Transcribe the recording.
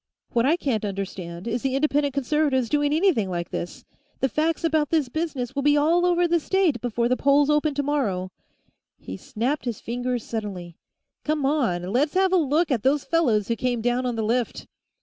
What I can't understand is the Independent Conservatives doing anything like this. The facts about this business will be all over the state before the polls open tomorrow " He snapped his fingers suddenly. "Come on; let's have a look at those fellows who came down on the lift!"